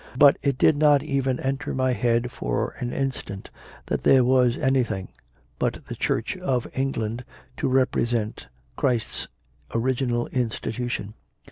But it did not even enter my head for an instant that there was anything but the Church of England to represent Christ s original institution.